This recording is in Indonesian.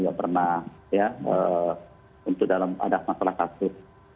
tidak pernah ya untuk dalam ada masalah kasus